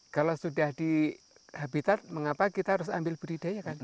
kalau sudah di habitat mengapa kita harus ambil budidaya kan